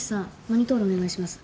マニトールお願いします。